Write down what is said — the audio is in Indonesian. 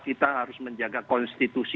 kita harus menjaga konstitusi